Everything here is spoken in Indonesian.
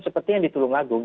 seperti yang di tulungagung